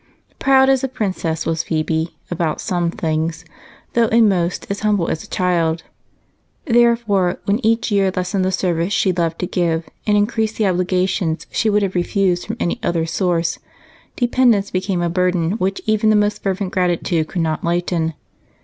Proud as a princess was Phebe about some things, though in most as humble as a child; therefore, when each year lessened the service she loved to give and increased the obligations she would have refused from any other source, dependence became a burden which even the most fervent gratitude could not lighten.